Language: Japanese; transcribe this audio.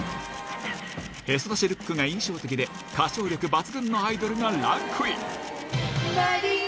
へそ出しルックが印象的で歌唱力抜群のアイドルがランクイン。